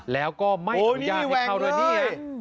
แล้วก็ไม่อนุญาตให้เข้าเลยนี่โอ้โฮนี่แหว่งเลย